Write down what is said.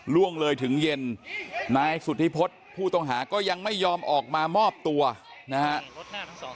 ล่วงเลยถึงเย็นนายสุธิพฤษผู้ต้องหาก็ยังไม่ยอมออกมามอบตัวนะครับ